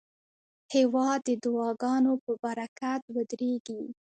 هېواد د دعاګانو په برکت ودریږي.